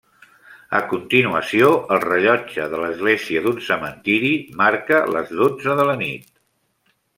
A continuació el rellotge de l'església d'un cementiri, marca les dotze de la nit.